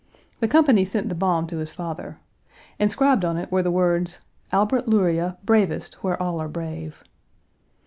The company sent the bomb to his father. Inscribed on it were the words, "Albert Luryea, bravest where all are brave."